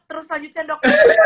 terus lanjutnya dok